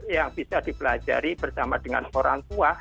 yang bisa dipelajari bersama dengan orang tua